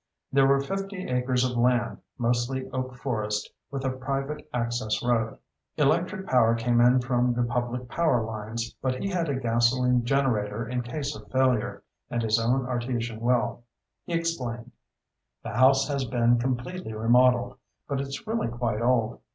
There were fifty acres of land, mostly oak forest, with a private access road. Electric power came in from the public power lines, but he had a gasoline generator in case of failure, and his own artesian well. He explained: "The house has been completely remodeled, but it's really quite old.